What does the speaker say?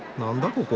ここ。